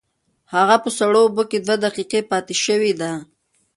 هغه په سړو اوبو کې دوه دقیقې پاتې شوې ده.